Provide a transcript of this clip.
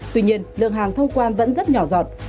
tuy nhiên lượng hàng thông quan vẫn rất nhỏ giọt